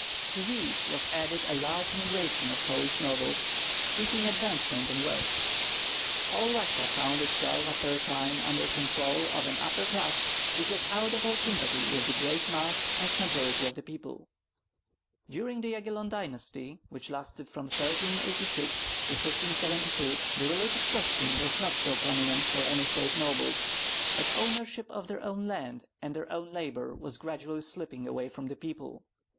To these was added a large immigration of Polish nobles seeking advancement and wealth. All Russia found itself after a time under control of an upper class which was out of all sympathy with the great mass and majority of the people. During the Yagyellon dynasty, which lasted from 1386 to 1572, the religious question was not so prominent for any save nobles; but ownership of their own land and their own labor was gradually slipping away from the people.